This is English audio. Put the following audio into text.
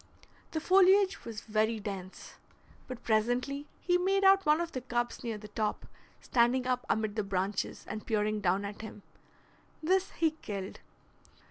The foliage was very dense, but presently he made out one of the cubs near the top, standing up amid the branches, and peering down at him. This he killed.